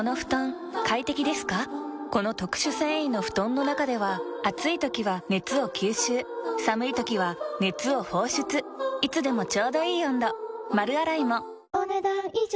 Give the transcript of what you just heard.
この特殊繊維の布団の中では暑い時は熱を吸収寒い時は熱を放出いつでもちょうどいい温度丸洗いもお、ねだん以上。